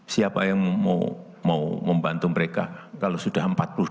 siapa yang mau membantu mereka kalau sudah empat puluh lima